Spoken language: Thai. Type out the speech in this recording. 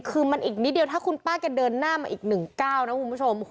คือมันอีกนิดเดียวถ้าคุณป้าแกเดินหน้ามาอีก๑๙นะคุณผู้ชม